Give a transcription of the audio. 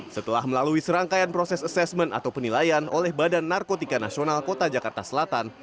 setelah melalui serangkaian proses asesmen atau penilaian oleh badan narkotika nasional kota jakarta selatan